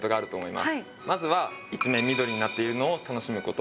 まずは一面緑になっているのを楽しむこと。